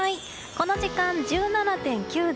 この時間、１７．９度。